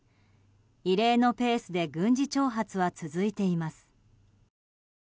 異例のペースで軍事挑発は続いています。